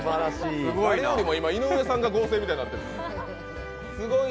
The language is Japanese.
誰よりも今、井上さんが合成みたいになってる。